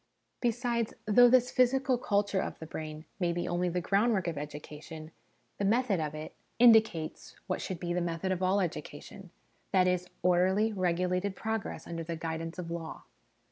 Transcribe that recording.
Besides, though this physical culture of the brain may be only the groundwork of education, the method of it 38 HOME EDUCATION indicates what should be the method of all education ; that is, orderly, regulated progress under the guidance of Law.